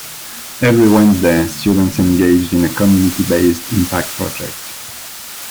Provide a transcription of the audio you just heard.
Every Wednesday, students engage in a 'community based' impact project.